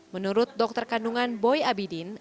menurut dokter kandungan boy abidin